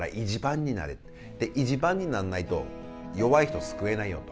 １番になんないと弱い人救えないよと。